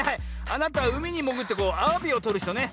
あなたうみにもぐってアワビをとるひとね。